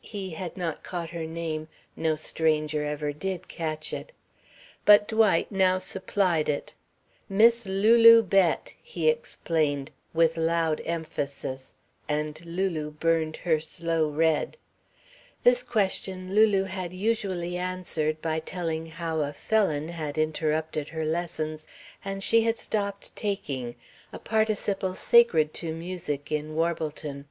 He had not caught her name no stranger ever did catch it. But Dwight now supplied it: "Miss Lulu Bett," he explained with loud emphasis, and Lulu burned her slow red. This question Lulu had usually answered by telling how a felon had interrupted her lessons and she had stopped "taking" a participle sacred to music, in Warbleton.